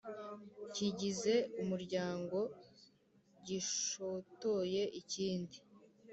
kigize umuryango gishotoye ikindi,